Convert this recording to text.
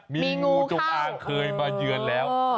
มีงูจงอางเคยมาเยือนแล้ว